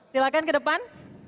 silahkan ke depan